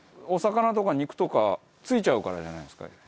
お魚とか肉とか付いちゃうからじゃないんですか？